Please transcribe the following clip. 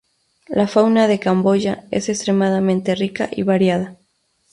La fauna de Camboya es extremadamente rica y variada.